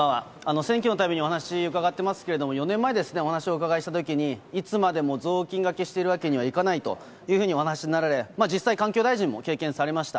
選挙のたびにお話し伺ってますけれども、４年前ですね、お話をお伺いしたときに、いつまでも雑巾がけしているわけにはいかないとお話しになられ、実際、環境大臣も経験されました。